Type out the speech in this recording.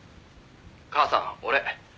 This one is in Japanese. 「母さん俺」